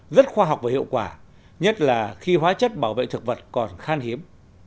rất khoa học và hiệu quả nhất là khi hóa chất bảo vệ thực vật còn khan hiếm